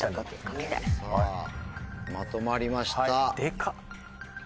さぁまとまりました。